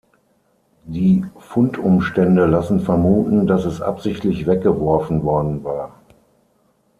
Die Fundumstände lassen vermuten, dass es absichtlich weggeworfen worden war.